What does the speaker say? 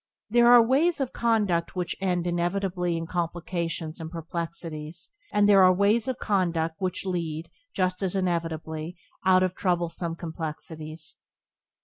There are ways of conduct which end inevitably in complications and perplexities, and there are ways of conduct which lead, just as inevitably, out of troublesome complexities.